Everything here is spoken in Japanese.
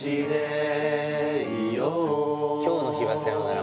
「今日の日はさようなら